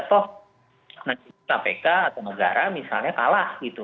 toh nanti kpk atau negara misalnya kalah gitu